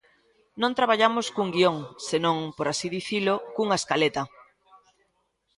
Non traballamos cun guión, senón, por así dicilo, cunha escaleta.